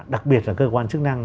đặc biệt là cơ quan chức năng